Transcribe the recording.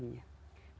dia taat kepada tuhan